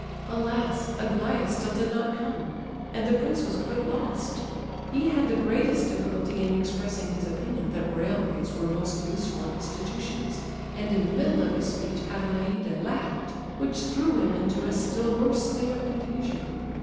Alas Aglaya still did not come—and the prince was quite lost. He had the greatest difficulty in expressing his opinion that railways were most useful institutions,—and in the middle of his speech Adelaida laughed, which threw him into a still worse state of confusion.